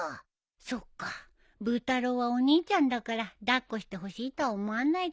そっかブー太郎はお兄ちゃんだから抱っこしてほしいとは思わないか。